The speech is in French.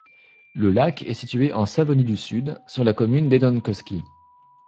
Le lac est situé en Savonie du Sud, sur la commune d'Enonkoski.